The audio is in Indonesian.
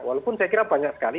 walaupun saya kira banyak sekali